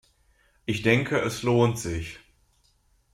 Ich denke, es lohnt sich.